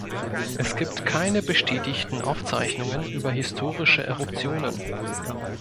Es gibt keine bestätigten Aufzeichnungen über historische Eruptionen.